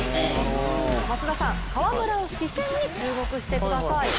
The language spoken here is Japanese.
松田さん、河村の視線に注目してください。